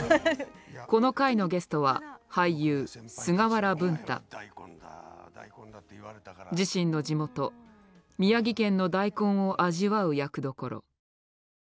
この回のゲストは自身の地元宮城県のダイコンを味わう役どころ。